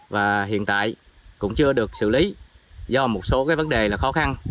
và hiện tại cũng chưa được xử lý do một số vấn đề khó khăn